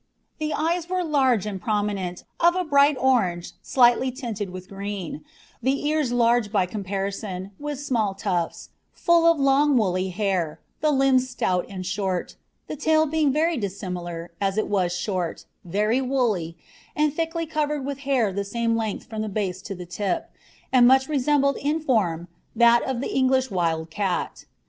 The eyes were large and prominent, of a bright orange, slightly tinted with green, the ears large by comparison, with small tufts, full of long, woolly hair, the limbs stout and short, the tail being very dissimilar, as it was short, very woolly, and thickly covered with hair the same length from the base to the tip, and much resembled in form that of the English wild cat.